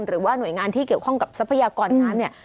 หรือว่าหน่วยงานที่เกี่ยวข้องกับทรัพยากรน้ำเนี่ย